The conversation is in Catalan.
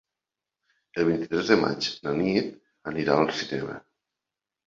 El vint-i-tres de maig na Nit anirà al cinema.